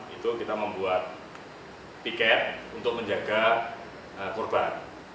itu kita membuat tiket untuk menjaga korban